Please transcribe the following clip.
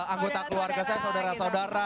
anggota keluarga saya saudara saudara